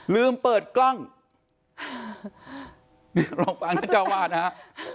ลืมเปิดกล้องเดี๋ยวลองฟังท่านเจ้าวาดนะฮะ